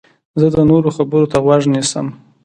زه د نورو خبرو ته غوږ نیسم.